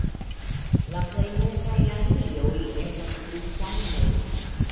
La plej multaj arioj estas kristanoj.